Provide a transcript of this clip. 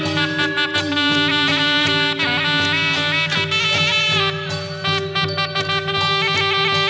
วู้วู้วู้